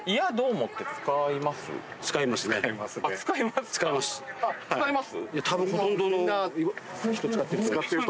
使います？